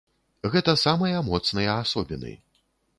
Гэта самыя моцныя асобіны!